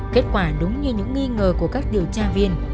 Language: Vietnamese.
kết quả đúng như những nghi ngờ của các điều tra viên